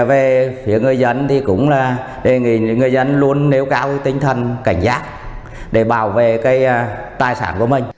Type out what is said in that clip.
về phía người dân thì cũng là người dân luôn đeo cao tính thần cảnh giác để bảo vệ tài sản của mình